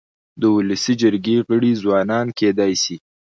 د ولسي جرګي غړي ځوانان کيدای سي.